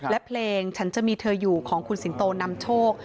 และเพลงฉันจะมีเธออยู่ของคุณสิงโตนำโชค